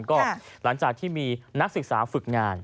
ก็หลังจากที่มีนักศึกษาฝึกงาน